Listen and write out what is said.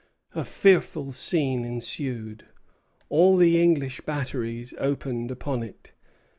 A fearful scene ensued. All the English batteries opened upon it.